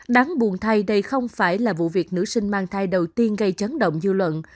đáng buồn thay đây không phải là vụ việc nữ sinh mang thai đầu tiên gây chấn động dư luận